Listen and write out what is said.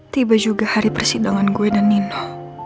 tiba juga hari persidangan gue dan nino